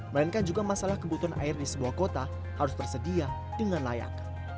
melainkan juga masalah kebutuhan air di sebuah kota harus tersedia dengan layak